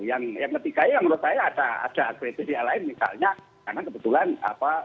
yang ketiga ya menurut saya ada kriteria lain misalnya karena kebetulan apa